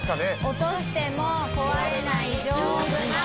「『落としても壊れない丈夫な』」。